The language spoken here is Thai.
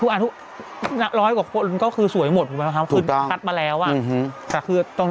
อ่ะทุกร้อยกว่าคนก็คือสวยหมดถูกไหมครับครับถูกต้องตัดมาแล้วอืมหืม